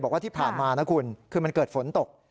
บอกว่าที่ผ่านมานะคุณคือมันเกิดฝนตก